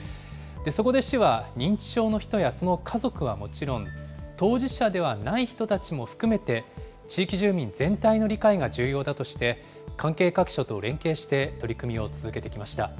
そこで市は、認知症の人やその家族はもちろん、当事者ではない人たちも含めて地域住民全体の理解が重要だとして、関係各所と連携して取り組みを続けてきました。